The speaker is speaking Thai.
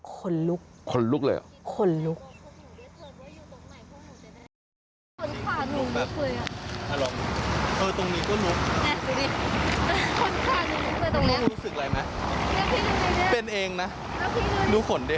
คนลุกคนลุกเลยเหรอคนลุก